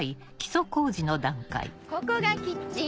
ここがキッチン。